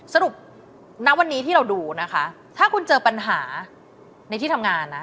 ณวันนี้ที่เราดูนะคะถ้าคุณเจอปัญหาในที่ทำงานนะ